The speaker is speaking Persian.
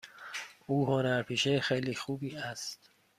او هنرپیشه خیلی خوبی است.